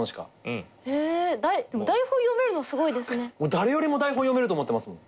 誰よりも台本読めると思ってますもん。